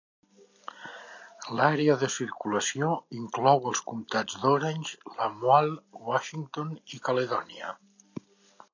L'àrea de circulació inclou els comtats d'Orange, Lamoille, Washington i Caledonia.